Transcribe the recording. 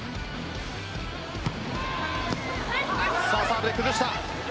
サーブで崩した。